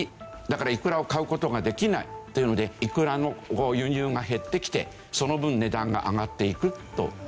だからいくらを買う事ができないというのでいくらの輸入が減ってきてその分値段が上がっていくという事ですね。